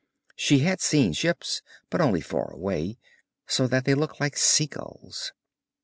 She had seen ships, but only far away, so that they looked like sea gulls.